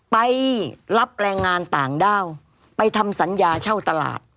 ไปรับแรงงานต่างด้าวไปทำสัญญาเช่าตลาด